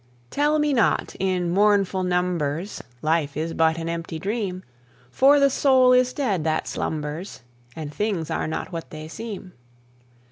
Tell me not, in mournful numbers, Life is but an empty dream! For the soul is dead that slumbers, And things are not what they seem.